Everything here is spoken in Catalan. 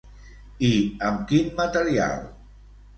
I amb quin material?